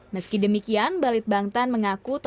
meski demikian balit bangtan mengaku